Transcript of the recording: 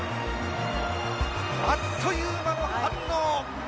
あっという間の反応！